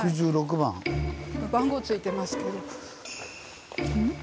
番号付いてますけど。